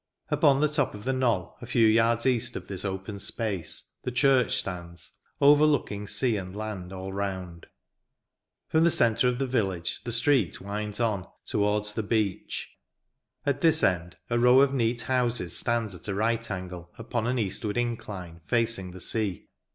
Upon the top of the knoll, a few yards east of this open space, the church stands, overlooking sea and land all round. From the centre of the village the street winds on, towards the beach. At this end a row of neat houses stands at a right angle, upon an eastward incline, facing the sea.